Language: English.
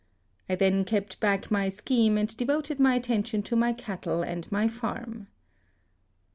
I then kept back my scheme, and devoted my attention to my cattle and my farm.